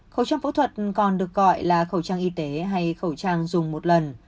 khẩu trang phẫu thuật còn được gọi là khẩu trang y tế hay khẩu trang dùng một lần